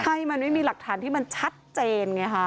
ใช่มันไม่มีหลักฐานที่มันชัดเจนไงฮะ